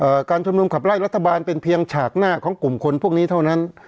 การชุมนุมขับไล่รัฐบาลเป็นเพียงฉากหน้าของกลุ่มคนพวกนี้เท่านั้น